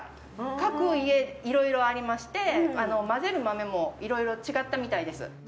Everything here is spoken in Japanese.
各家、いろいろありまして混ぜる豆もいろいろ違ったみたいです。